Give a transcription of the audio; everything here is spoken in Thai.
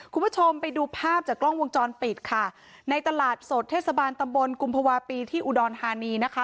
คุณผู้ชมไปดูภาพจากกล้องวงจรปิดค่ะในตลาดสดเทศบาลตำบลกุมภาวะปีที่อุดรธานีนะคะ